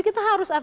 kita harus aktif